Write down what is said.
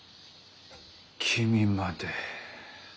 君まで。